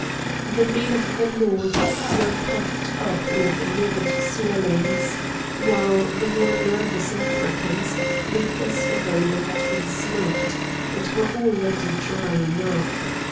The men of the North were puffed up with livid swellings, while the more nervous Africans looked as though they had been smoked, and were already drying up.